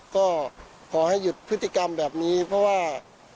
ก็ขอให้หยุดพฤติกรรมแบบนี้เพราะว่า